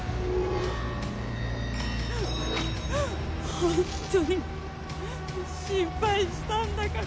ホントに心配したんだから。